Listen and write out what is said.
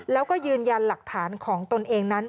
แล้วก็ยืนยันหลักฐานของตนเองนั้น